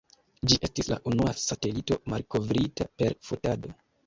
Ĝi estis la unua satelito malkovrita per fotado.